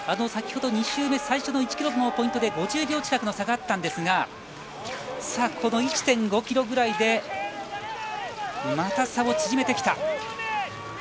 先ほど２周目最初の１ｋｍのポイントで５０秒近くの差があったんですがこの１．５ｋｍぐらいでまた差を縮めてきた。